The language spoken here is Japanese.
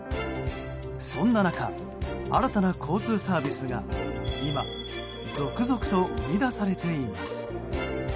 そんな中、新たな交通サービスが今、続々と生み出されています。